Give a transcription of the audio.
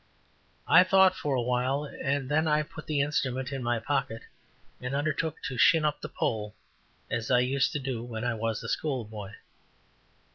I thought for a while, and then I put the instrument in my pocket, and undertook to "shin up" the pole as I used to do when I was a schoolboy.